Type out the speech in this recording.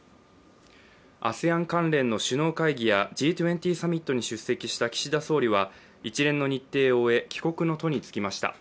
ＡＳＥＡＮ関連の首脳会談やＧ２０サミットに出席した岸田総理は一連の日程を終え、帰国の途につきました。